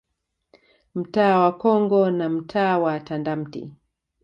Mtaa wa Congo na mtaa wa Tandamti